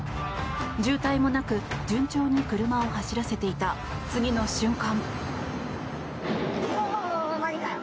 渋滞もなく、順調に車を走らせていた次の瞬間。